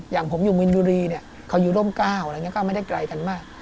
อย่างผมอยู่มินยุรีเนี่ยเขาอยู่ร่ม๙อะไรอย่างนี้ก็ไม่ได้ไกลกันมาก